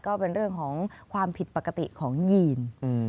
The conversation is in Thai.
ก็เป็นเรื่องของความผิดปกติของยีน